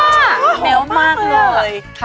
แมวมากเลย